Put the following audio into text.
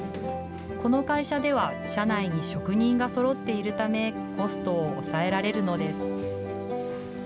この会社では、社内に職人がそろっているため、コストを抑えられるのです。